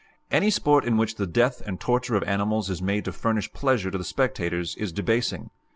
Any sport in which the death and torture of animals is made to furnish pleasure to the spectators is debasing.